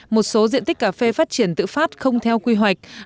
một số diện tích cà phê phát triển tự phát không theo quy hoạch